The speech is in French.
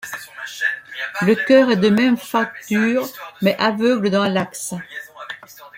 Le chœur est de même facture mais aveugle dans l'axe.